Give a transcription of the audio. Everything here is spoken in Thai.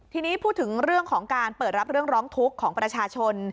ทีนี้พูดถึงเรื่องของการเปิดรับเรื่องร้องทุกข์ของประชาชน